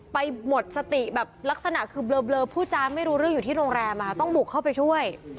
หมดสติแบบลักษณะคือเบลอผู้จาไม่รู้เรื่องอยู่ที่โรงแรมต้องบุกเข้าไปช่วย